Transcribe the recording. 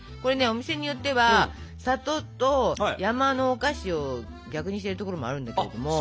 お店によっては「里」と「山」のお菓子を逆にしてるところもあるんだけれども。